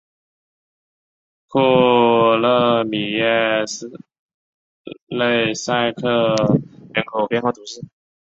库勒米耶勒塞克人口变化图示